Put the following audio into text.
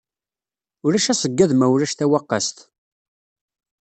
Ulac aseyyaḍ ma ulac tawaqqast.